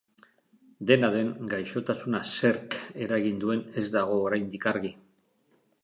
Dena den, gaixotasuna zerk eragin duen ez dago oraindik argi.